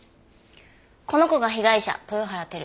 この子が被害者豊原輝。